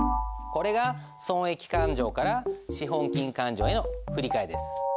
これが損益勘定から資本金勘定への振り替えです。